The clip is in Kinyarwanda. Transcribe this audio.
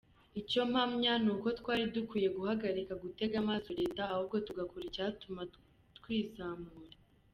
Icyo mpamya ni uko twari dukwiye guhagarika gutega amaso reta ahubwo tugakora icyatuma twizamura.